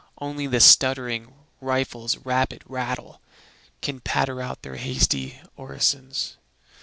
Only the stuttering rifles' rapid rattle Can patter out their hasty orisons.